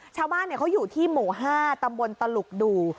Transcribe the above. ชาวบ้านเขาอยู่ที่หมู่๕ตำบลตลุกดู